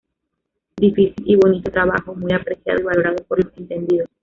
Difícil y bonito trabajo muy apreciado y valorado por los entendidos.